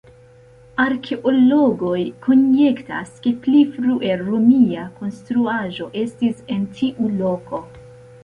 Arkeologoj konjektas, ke pli frue romia konstruaĵo estis en tiu loko.